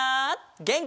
げんき！